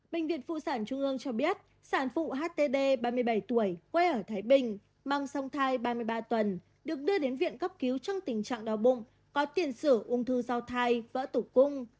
bệnh viện phụ sản trung ương cho biết sản phụ htd ba mươi bảy tuổi quê ở thái bình mang sông thai ba mươi ba tuần được đưa đến viện cấp cứu trong tình trạng đau bụng có tiền sử ung thư giao thai vỡ tủ cung